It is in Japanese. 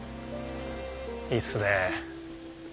いいっすね。